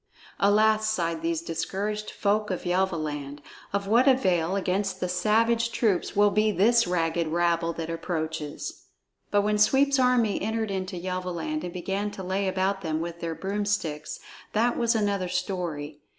"Alas!" sighed these discouraged folk of Yelvaland, "of what avail against the savage troops will be this ragged rabble that approaches?" But when Sweep's army entered into Yelvaland and began to lay about them with their broomsticks, that was another story.